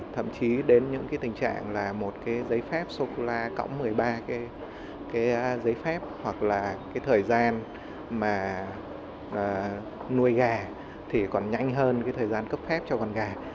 thậm chí đến những tình trạng là một giấy phép sô cô la cộng một mươi ba giấy phép hoặc là thời gian nuôi gà còn nhanh hơn thời gian cấp phép cho con gà